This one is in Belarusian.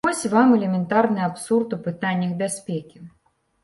Вось вам элементарны абсурд у пытаннях бяспекі.